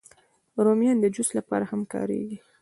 رومیان د جوس لپاره هم کارېږي